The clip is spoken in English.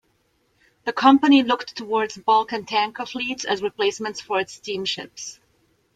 The company looked towards bulk and tanker fleets as replacements for its steamships.